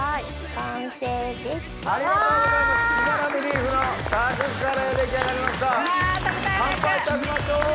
乾杯いたしましょう！